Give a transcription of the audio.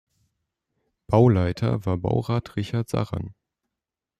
Bauleiter war Baurat Richard Saran.